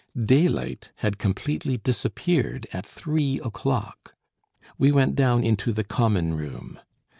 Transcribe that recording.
Daylight had completely disappeared at three o'clock. We went down into the common room.